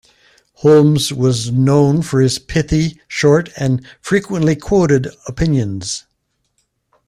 Holmes was known for his pithy, short, and frequently quoted opinions.